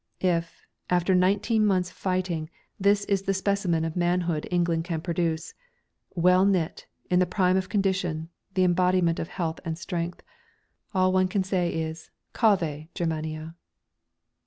If, after nineteen months' fighting, this is the specimen of manhood England can produce well knit, in the prime of condition, the embodiment of health and strength all one can say is: "_Cave, Germania!